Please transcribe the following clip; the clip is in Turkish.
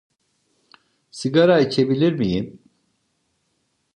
Sigara içebilir miyim?